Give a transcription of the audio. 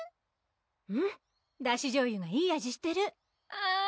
うんだしじょうゆがいい味してるあぁ